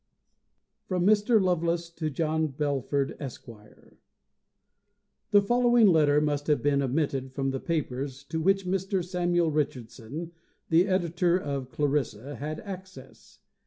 From Mr. Lovelace to John Belford, Esq. The following letter must have been omitted from the papers to which Mr. Samuel Richardson, the editor of "Clarissa," had access.